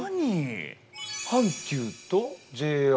阪急とＪＲ？